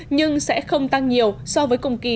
nhưng sẽ không tăng nhiều so với công ký